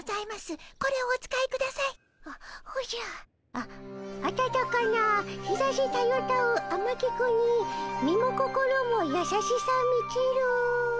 あ「あたたかな日ざしたゆたうあまき国身も心もやさしさみちる」。